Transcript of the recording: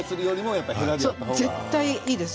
絶対いいです。